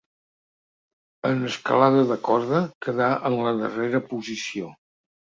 En escalada de corda quedà en la darrera posició.